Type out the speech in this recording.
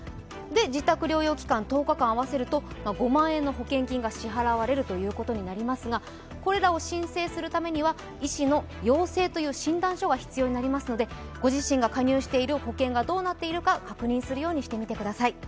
自宅療養期間１０日間合わせると５万円の保険金が支払われるということになりますが、これらを申請するためには医師の陽性という診断書が必要になりますのでご自身が加入している保険がどうなっているか確認するようにしてみてください。